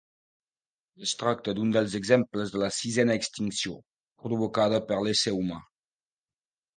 Es tracta d'un dels exemples de la sisena extinció, provocada per l'ésser humà.